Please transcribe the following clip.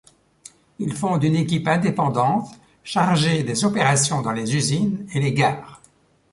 Il fonde une équipe indépendante chargée des opérations dans les usines et les gares.